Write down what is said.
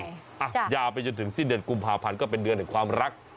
ยาวไปจนถึงสิ้นเดือนกุมภาพันธ์ก็เป็นเดือนแห่งความรัก